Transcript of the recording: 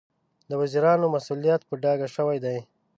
د وزیرانو مسوولیت په ډاګه شوی دی.